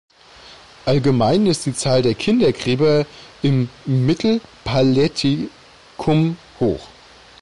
Allgemein ist die Zahl der Kindergräber im Mittelpaläolithikum hoch.